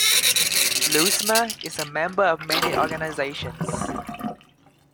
Lousma is a member of many organizations.